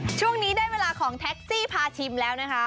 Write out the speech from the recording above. ช่วงนี้ได้เวลาของแท็กซี่พาชิมแล้วนะคะ